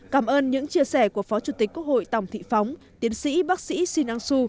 cảm ơn những chia sẻ của phó chủ tịch quốc hội tòng thị phóng tiến sĩ bác sĩ sinang su